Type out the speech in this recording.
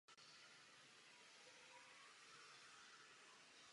To zejména znamená otázku zákonodárců.